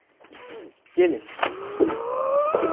Gelin!